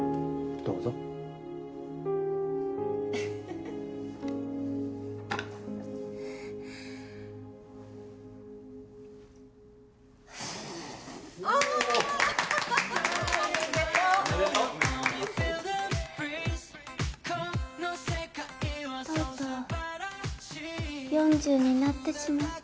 とうとう４０になってしまった。